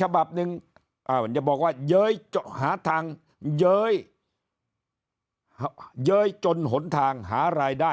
ฉบับหนึ่งจะบอกว่าเย้ยหาทางเย้เย้ยจนหนทางหารายได้